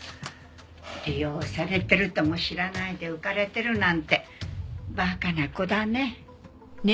利用されてるとも知らないで浮かれてるなんて馬鹿な子だね。